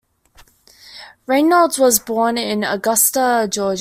Reynolds was born in Augusta, Georgia.